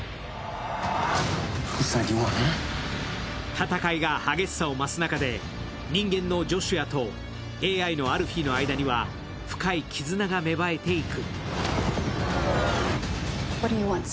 戦いが激しさを増す中で、人間のジョシュアとＡＩのアルフィーの間には深い絆が芽生えていく。